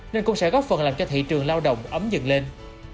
nên cũng sẽ góp phần làm cho thị trường lao động ấm dừng lên